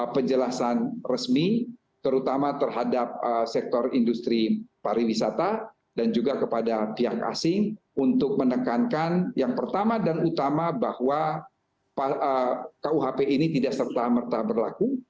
penjelasan resmi terutama terhadap sektor industri pariwisata dan juga kepada pihak asing untuk menekankan yang pertama dan utama bahwa kuhp ini tidak serta merta berlaku